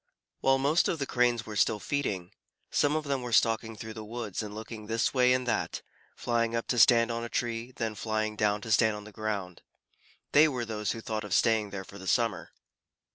While most of the Cranes were still feeding, some of them were stalking through the woods and looking this way and that, flying up to stand on a tree, and then flying down to stand on the ground. They were those who thought of staying there for the summer.